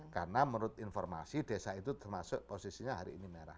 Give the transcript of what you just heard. karena menurut informasi desa itu termasuk posisinya hari ini merah